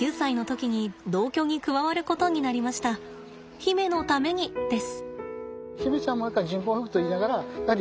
媛のためにです。